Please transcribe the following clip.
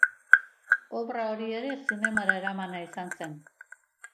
Obra hori ere zinemara eramana izan zen.